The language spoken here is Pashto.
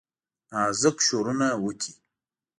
نازک شورونه وکړي